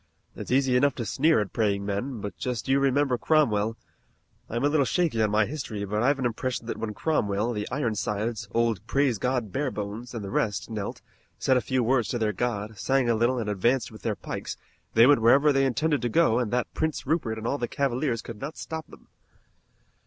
"It's easy enough to sneer at praying men, but just you remember Cromwell. I'm a little shaky on my history, but I've an impression that when Cromwell, the Ironsides, old Praise God Barebones, and the rest knelt, said a few words to their God, sang a little and advanced with their pikes, they went wherever they intended to go and that Prince Rupert and all the Cavaliers could not stop them."